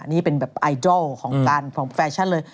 นี่เป็นแบบไอดอลของการพร้อมแฟชั่นเลย